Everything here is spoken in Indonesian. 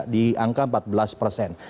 di angka empat belas persen